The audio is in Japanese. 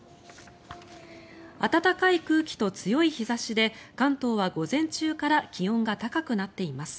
暖かい空気と強い日差しで関東は午前中から気温が高くなっています。